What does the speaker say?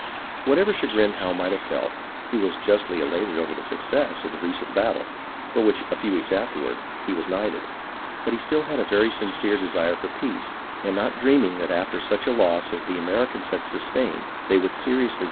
Whatever chagrin Howe might have felt, he was justly elated over the success of the recent battle (for which, a few weeks afterward, he was knighted); but he still had a very sin cere desire for peace, and not dreaming that after such a loss as the Americans had sustained they would seriously